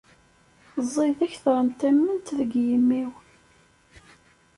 Ẓid akter n tament deg yimi-w.